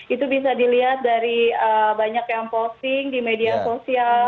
itu bisa dilihat dari banyak yang posting di media sosial